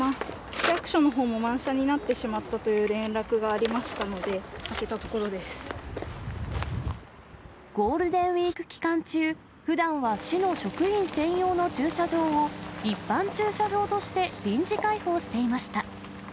市役所のほうも満車になってしまったという連絡がありましたので、ゴールデンウィーク期間中、ふだんは市の職員専用の駐車場を、一般駐車場として臨時開放していました。